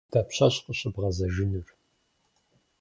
Дапщэщ къыщыбгъэзэжынур?